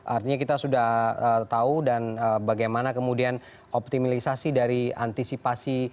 artinya kita sudah tahu dan bagaimana kemudian optimalisasi dari antisipasi